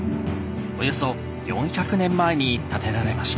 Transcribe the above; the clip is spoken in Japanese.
およそ４００年前に建てられました。